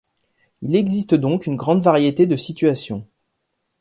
Il existe donc une grande variété de situations.